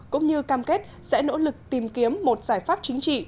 cũng như cam kết sẽ nỗ lực tìm kiếm một giải pháp chính trị